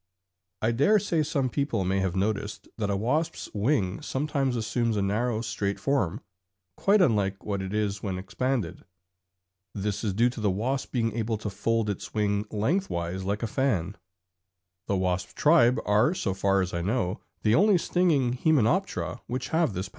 I dare say some people may have noticed that a wasp's wing sometimes assumes a narrow straight form, quite unlike what it is when expanded. This is due to the wasp being able to fold its wing lengthwise like a fan. The wasp tribe are, so far as I know, the only stinging Hymenoptera which have this power.